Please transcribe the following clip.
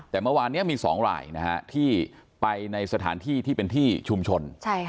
แต่เมื่อวานนี้มี๒รายที่ไปในสถานที่ที่เป็นที่ชุมชน